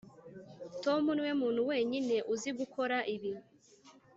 tom niwe muntu wenyine uzi gukora ibi.